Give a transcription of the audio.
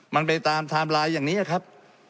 มันไปตามที่ทำร้ายอย่างนี้ครับ